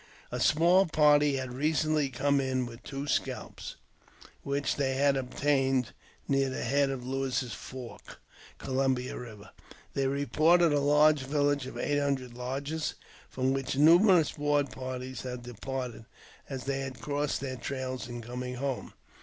A small party had recently come in with two scalps, which they had obtained near the head of Lewis's Fork, Columbia Eiver. They reported a large village of eight hundred lodges, from which numerous war parties had departed, as they had crossed their trails in coming home.